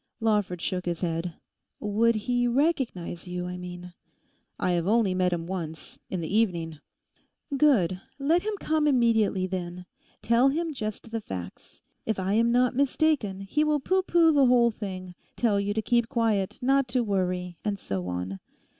_' Lawford shook his head. 'Would he recognise you?... I mean...' 'I have only met him once—in the evening.' 'Good; let him come immediately, then. Tell him just the facts. If I am not mistaken, he will pooh pooh the whole thing; tell you to keep quiet, not to worry, and so on.